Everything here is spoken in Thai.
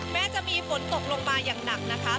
แม้จะมีฝนตกลงมาอย่างหนักนะคะ